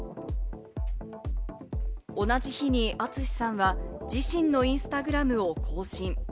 同じ日にＡＴＳＵＳＨＩさんは自身のインスタグラムを更新。